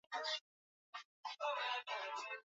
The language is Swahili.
na namna mbalimbali ya kuyatatua ili kuhakikisha kwamba